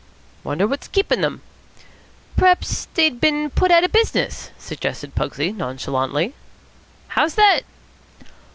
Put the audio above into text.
"Wonder what's keepin' them." "P'raps, dey've bin put out of business," suggested Pugsy nonchalantly. "How's that?"